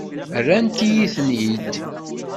Rrant-iyi-ten-id.